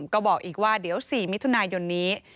ก็บอกอีกว่าเดี๋ยว๔มิถุนายนนี้